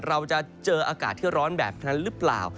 เราจะเจออากาศที่ร้อนแบบนั้นหรือเปล่า